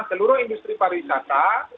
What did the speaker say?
seluruh industri pariwisata